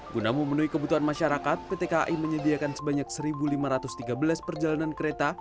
guna memenuhi kebutuhan masyarakat pt kai menyediakan sebanyak satu lima ratus tiga belas perjalanan kereta